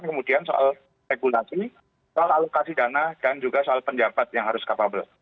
kemudian soal regulasi soal alokasi dana dan juga soal penjabat yang harus capable